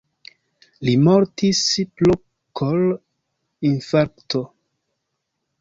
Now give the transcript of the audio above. Li mortis pro kor-infarkto.